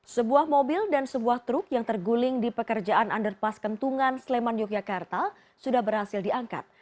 sebuah mobil dan sebuah truk yang terguling di pekerjaan underpass kentungan sleman yogyakarta sudah berhasil diangkat